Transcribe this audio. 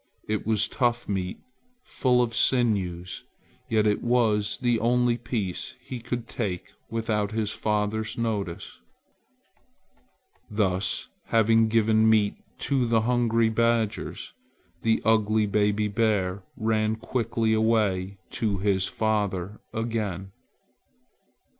It was tough meat, full of sinews, yet it was the only piece he could take without his father's notice. Thus having given meat to the hungry badgers, the ugly baby bear ran quickly away to his father again.